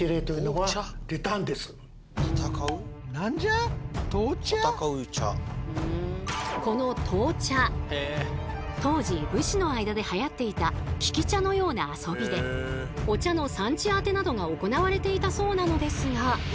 あとねこの闘茶当時武士の間ではやっていた「利き茶」のような遊びでお茶の産地当てなどが行われていたそうなのですが。